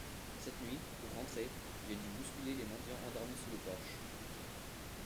Cette nuit, pour rentrer, j’ai dû bousculer les mendiants endormis sous le porche.